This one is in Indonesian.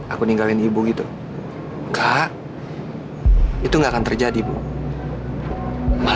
aku mau bawa ibu untuk tinggal